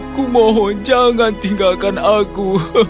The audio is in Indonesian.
aku mohon jangan tinggalkan aku